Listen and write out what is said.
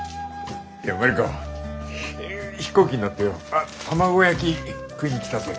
いや真理子飛行機に乗ってよ卵焼き食いに来たぜ。